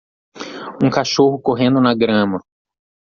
Um cachorro correndo na grama